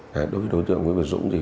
đối với đối tượng nguyễn việt dũng thì